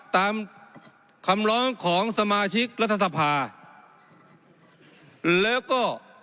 ตามคำล้อมของสมาชิกรัฐธรรมนี้แล้วก็